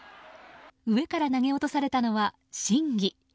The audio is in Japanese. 上から投げ落とされたのは宝木。